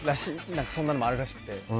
そんなのもあるらしくて。